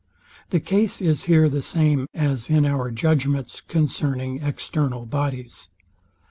The case is here the same as in our judgments concerning external bodies.